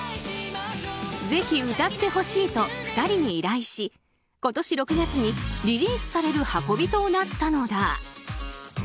ぜひ歌ってほしいと２人に依頼し今年６月にリリースされる運びとなったのだ。